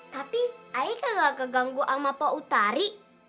tapi ayah kan ga keganggu sama pau tari